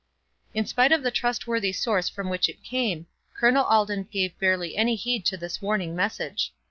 In spite of the trustworthy source from which it came, Colonel Alden gave barely any heed to this warning message.